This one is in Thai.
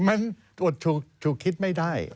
มันอดถูกคิดไม่ได้